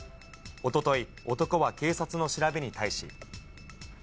おととい、男は警察の調べに対し。